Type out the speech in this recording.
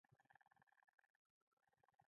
سهار د نېکمرغۍ ټپه ده.